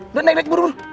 udah naik naik buru buru